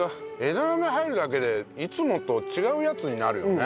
枝豆入るだけでいつもと違うやつになるよね。